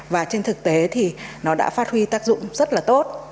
và trên thực tế thì nó đã phát huy tác dụng rất là tốt